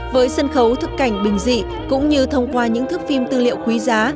với sân khấu thức cảnh bình dị cũng như thông qua những thức phim tư liệu quý giá